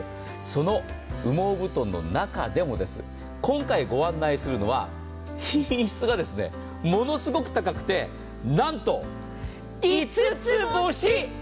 その羽毛布団の中でもです、今回ご案内するのは品質がものすごく高くてなんと５つ星！